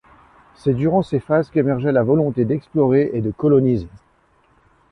C'est durant ces phases qu'émergeraient la volonté d'explorer et de coloniser.